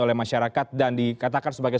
oleh masyarakat dan dikatakan sebagai